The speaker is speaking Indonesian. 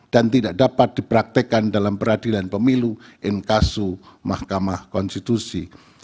dan tidak dapat dipraktikan dalam peradilan pemilu in kasus mahkamah konstitusi